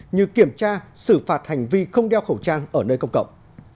như kiểm tra xử phạt hành vi không đeo khẩu trang ở nơi công cộng